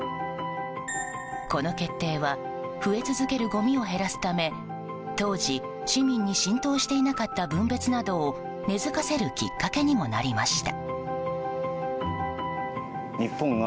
この決定は増え続けるごみを減らすため当時、市民に浸透していなかった分別などを根付かせるきっかけにもなりました。